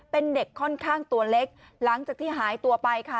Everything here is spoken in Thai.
เป็นเด็กค่อนข้างตัวเล็กหลังจากที่หายตัวไปค่ะ